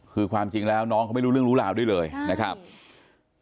คือความจริงแล้วน้องเขาไม่รู้เรื่องรู้ราวด้วยเลยนะครับ